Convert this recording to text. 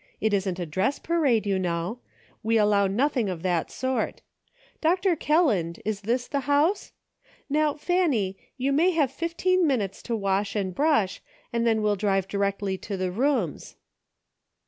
It isn't a dress parade, you know ; we allow nothing of that sort. Dr. Kelland, is this the house .• Now, Fanny, you may have fifteen minutes to wash and brush, then we'll drive directly to the rooms."